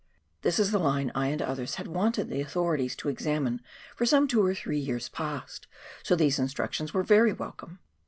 This is the line I and others had wanted the autho rities to examine for some two or three years past, so these instructions were very welcome.